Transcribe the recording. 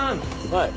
はい。